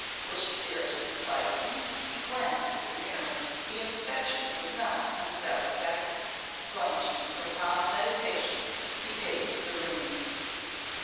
Will she dare to despise me?' He glanced at the mirror. The inspection was not unsatisfactory. Plunged in profound meditation, he paced the room.